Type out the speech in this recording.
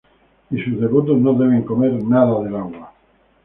Y sus devotos no deben comer nada del agua.